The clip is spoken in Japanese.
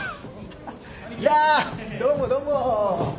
いやどうもどうも。